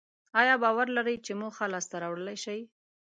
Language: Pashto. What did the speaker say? ایا باور لرئ چې موخه لاسته راوړلای شئ؟